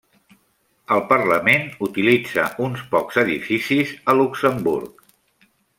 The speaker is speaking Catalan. El Parlament utilitza uns pocs edificis a Luxemburg.